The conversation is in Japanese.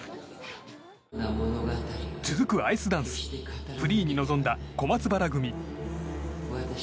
続くアイスダンスフリーに臨んだ小松原組。